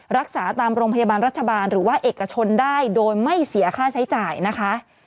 รักษาตามโรงพยาบาลรัฐบาลหรือว่าเอกชนได้โดยไม่เสียค่าใช้จ่ายนะคะ